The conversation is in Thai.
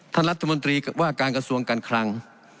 ท่านรัฐมนตรีว่าการกระทรวงการคลัง